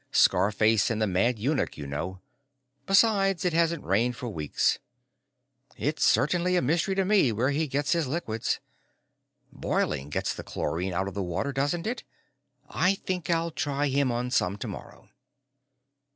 "Scarface and the Mad Eunuch, you know. Besides, it hasn't rained for weeks. It's certainly a mystery to me where he gets his liquids. Boiling gets the chlorine out of water, doesn't it? I think I'll try him on some tomorrow."